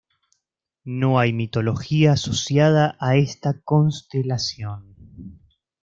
No hay mitología asociada a esta constelación.